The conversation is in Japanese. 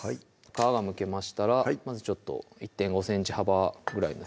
皮がむけましたらちょっと１．５ｃｍ幅ぐらいですね